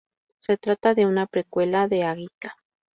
Se trata de una precuela de "Aika".